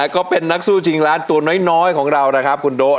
ก็เป็นนักสู้ชิงล้านตัวน้อยของเรานะครับคุณโด๊